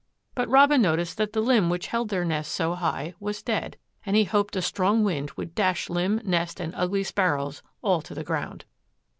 But Robin noticed that the limb which held their nest so high was dead and he hoped a strong wind would dash limb, nest and ugly sparrows all to the ground.